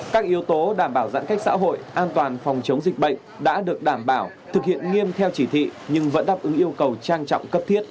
các yếu tố đảm bảo giãn cách xã hội an toàn phòng chống dịch bệnh đã được đảm bảo thực hiện nghiêm theo chỉ thị nhưng vẫn đáp ứng yêu cầu trang trọng cấp thiết